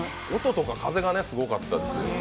音とか風がすごかったですね。